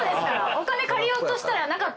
お金借りようとしたらなかった。